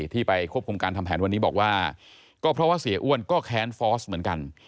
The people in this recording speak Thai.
ที่ไปควบคุมการทำแผนวันนี้บอกว่าก็เพราะว่าเสียอ้วนก็แค้นฟอสเหมือนกัน